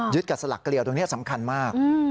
กับสลักเกลียวตรงนี้สำคัญมาก